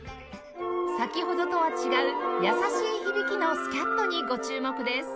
先ほどとは違う優しい響きのスキャットにご注目です！